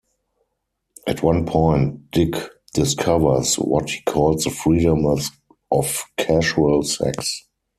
At one point, Dick discovers what he calls the "freedom" of casual sex.